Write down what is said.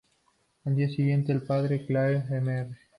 Al día siguiente, el padre de Clare, Mr.